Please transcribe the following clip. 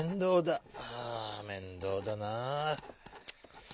ああ面倒だなぁ！